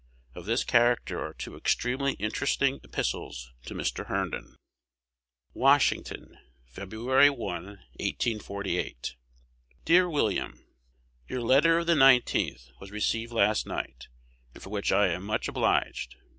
Of this character are two extremely interesting epistles to Mr. Herndon: Washington, Feb. 1, 1848. Dear William, Your letter of the 19th ult. was received last night, and for which I am much obliged.